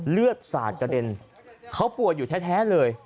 เลือดสาดกระเด็นเขาป่วยอยู่แท้เลย